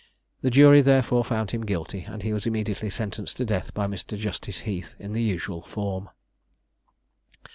The jury therefore found him guilty, and he was immediately sentenced to death by Mr. Justice Heath in the usual form.